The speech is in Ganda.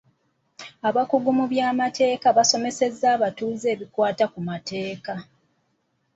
Abakungu mu by'amateeka baasomesezza abatuuze ebikwata ku mateeka.